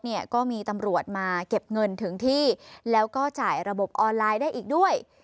เนี่ยก็มีตำรวจมาเก็บเงินถึงที่แล้วก็จ่ายระบบออนไลน์ได้อีกด้วย